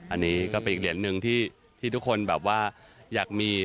อันนี้ก็เป็นอีกเหรียญหนึ่งที่ทุกคนแบบว่าอยากมี